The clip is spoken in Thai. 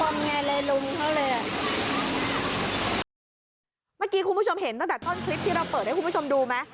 เมื่อกี้คุณผู้ชมเห็นตั้งแต่ต้นคลิปที่เราเปิดให้คุณผู้ชมดูไหม